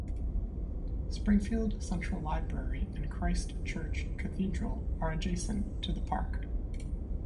Springfield Central Library and Christ Church Cathedral are adjacent to the park.